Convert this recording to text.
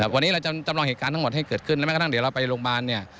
วันนี้เราจำลองเหตุการณ์ทั้งหมดให้เกิดขึ้นและแม้กระทั่งเดี๋ยวเราไปโรงพยาบาลเนี่ย